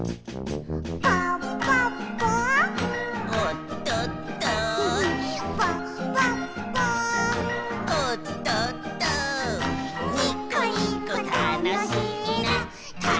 「ぽっぽっぽっ」「おっとっと」「ぽっぽっぽっ」「おっとっと」「にこにこたのしいなたのしいな」